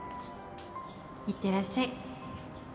いってらっしゃい。